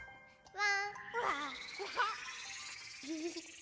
「わ！」